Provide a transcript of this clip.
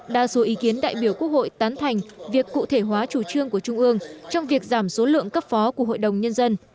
đa số ý kiến đại biểu quốc hội tán thành việc cụ thể hóa chủ trương của trung ương trong việc giảm số lượng cấp phó của hội đồng nhân dân